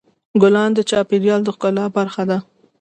ګلان د چاپېریال د ښکلا برخه ده.